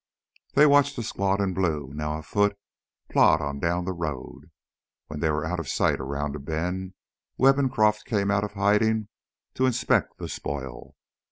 They watched the squad in blue, now afoot, plod on down the road. When they were out of sight around a bend, Webb and Croff came out of hiding to inspect the spoil.